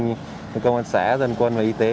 như công an xã dân quân và y tế